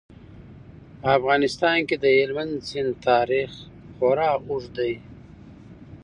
په افغانستان کې د هلمند سیند تاریخ خورا اوږد دی.